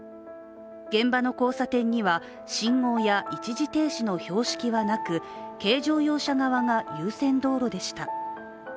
現場の交差点には信号や一時停止の標識はなく軽乗用車側が優先道路でした。